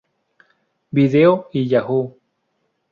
Video y Yahoo!